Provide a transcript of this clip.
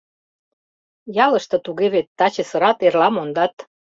Ялыште туге вет: таче сырат, эрла мондат.